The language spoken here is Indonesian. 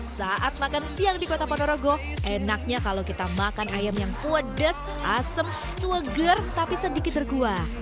saat makan siang di kota ponorogo enaknya kalau kita makan ayam yang pedas asem sueger tapi sedikit berguah